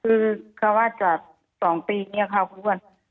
คือเขาว่าจะ๒ปีเนี่ยค่ะทุกวัน